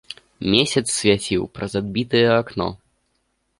Месяц свяціў праз адбітае акно.